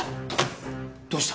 どうした？